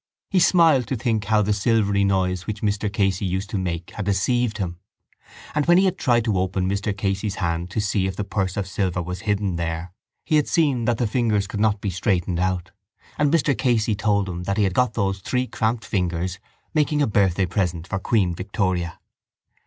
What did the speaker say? He smiled to think how the silvery noise which Mr Casey used to make had deceived him. And when he had tried to open Mr Casey's hand to see if the purse of silver was hidden there he had seen that the fingers could not be straightened out: and Mr Casey had told him that he had got those three cramped fingers making a birthday present for Queen Victoria.